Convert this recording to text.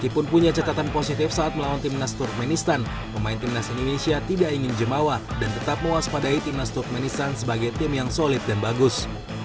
pemain timnas indonesia tidak ingin jemawa dan tetap mewaspadai timnas turkmenistan sebagai tim yang solid dan bagus